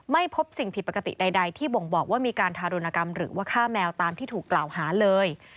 ไม่พบสิ่งผิดปกติใดที่บ่งบอกว่ามีการทารุณกรรมหรือว่าฆ่าแมวตามที่ถูกกล่าวหาเลย